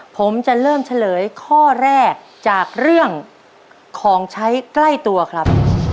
ผมจะเริ่มเฉลยข้อแรกจากเรื่องของใช้ใกล้ตัวครับ